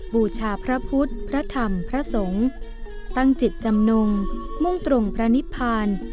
บูชาพระพุทธพระธรรมพระสงฆ์ตั้งจิตจำนงมุ่งตรงพระนิพพาน